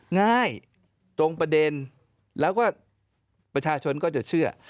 ง่ายตรงประเด็นแล้วก็ประชาชนก็จะเชื่อ